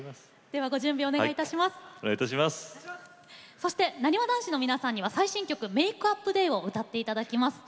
そしてなにわ男子の皆さんには最新曲「ＭａｋｅＵｐＤａｙ」を歌っていただきます。